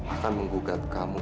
akan menggugat kamu